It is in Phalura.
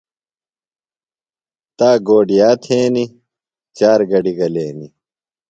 تا گوڈِیا تھینیۡ۔ چار گڈیۡ گلینیۡ۔